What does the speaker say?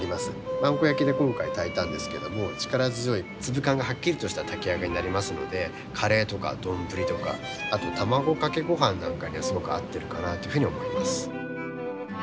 萬古焼で今回炊いたんですけども力強い粒感がはっきりとした炊き上がりになりますのでカレーとか丼とかあと卵かけごはんなんかにはすごく合ってるかなというふうに思います。